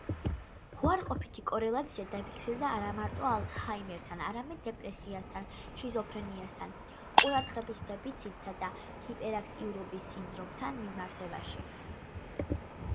უარყოფითი კორელაცია დაფიქსირდა არამარტო ალცჰაიმერთან, არამედ დეპრესიასთან, შიზოფრენიასთან, ყურადღების დეფიციტსა და ჰიპერაქტიურობის სინდრომთან მიმართებაში.